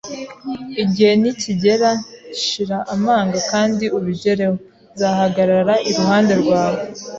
Igihe nikigera, shira amanga kandi ubigereho! Nzahagarara iruhande rwawe.